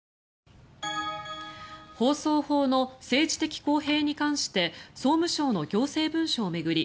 放送法の政治的公平に関して総務省の行政文書を巡り